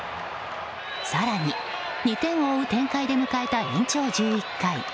更に２点を追う展開で迎えた延長１１回。